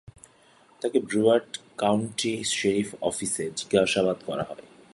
তাঁকে Broward County sheriff অফিসে জিজ্ঞাসাবাদ করা হয়।